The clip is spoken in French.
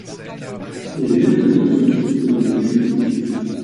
Elle est mère d'un garçon prénommé Jules.